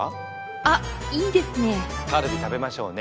あっいいですね！